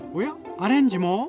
アレンジも？